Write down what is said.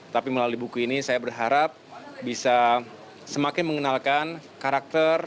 tapi melalui buku ini saya berharap bisa semakin mengenalkan karakter